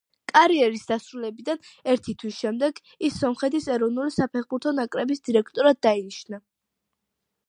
კარიერის დასრულებიდან ერთი თვის შემდეგ ის სომხეთის ეროვნული საფეხბურთო ნაკრების დირექტორად დაინიშნა.